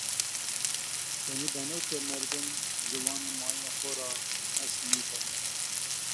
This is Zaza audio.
Senî beno ke merdim ziwanê maya xo ra hes nêkeno?